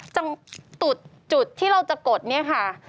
จุดที่เราจะกดนี่ค่ะ